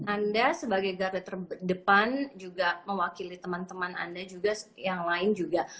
anda sebagai garda terdepan juga mewakili teman teman anda juga yang lain juga